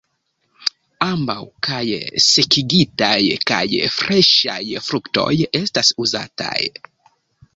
Ambaŭ, kaj sekigitaj kaj freŝaj fruktoj estas uzataj.